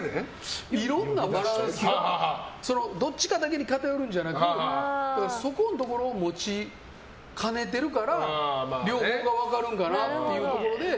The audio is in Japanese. いろんなバランスがどっちかだけに偏るんじゃなくそこのところを持ちかねているから両方が分かるんかなっていうところで。